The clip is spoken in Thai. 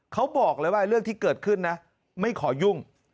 เขาบอกเลยว่าเรื่องที่เกิดขึ้นนะไม่ขอยุ่ง